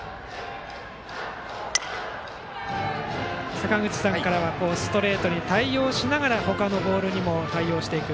坂口さんからはストレートに対応しながら他のボールにも対応していく。